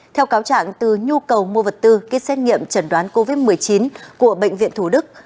theo cáo trạng từ nhu cầu mua vật tư kết xét nghiệm chẩn đoán covid một mươi chín của bệnh viện thủ đức